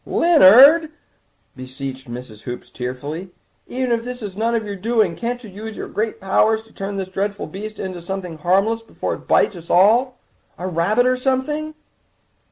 "Leonard," beseeched Mrs. Hoops tearfully, "even if this is none of your doing can't you use your great powers to turn this dreadful beast into something harmless before it bites us all—a rabbit or something?"